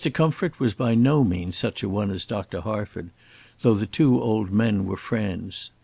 Comfort was by no means such a one as Dr. Harford, though the two old men were friends.